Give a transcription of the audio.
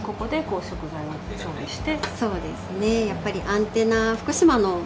ここで食材を調理して。